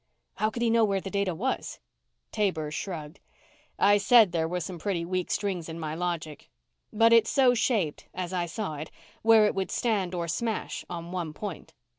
"How could he know where the data was?" Taber shrugged. "I said there were some pretty weak strings in my logic. But it so shaped, as I saw it, where it would stand or smash on one point.